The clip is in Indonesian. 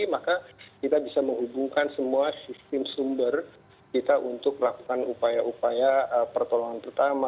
maka kita bisa menghubungkan semua sistem sumber kita untuk melakukan upaya upaya pertolongan pertama